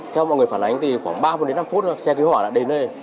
theo mọi người phản ánh thì khoảng ba mươi năm mươi phút xe cứu hỏa đã đến đây